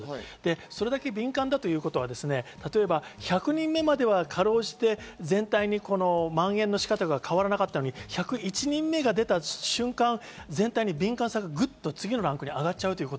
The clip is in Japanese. それだけ敏感だということは１００人目までは辛うじて全体にまん延の仕方が変わらなかったのに、１０１人目が出た瞬間、全体にグッと次のランクに上がっちゃう。